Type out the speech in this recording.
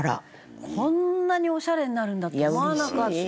こんなにオシャレになるんだと思わなかった。